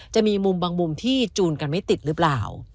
จะมีมุมบางมุมที่จูนกันไม่ติดหรือเปล่า